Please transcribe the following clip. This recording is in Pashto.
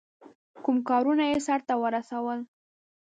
کوم کارونه یې سرته ورسول.